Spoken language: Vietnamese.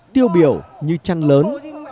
tiêu biểu như chăn lớn